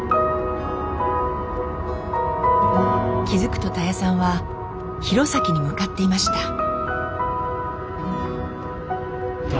気付くとたやさんは弘前に向かっていました。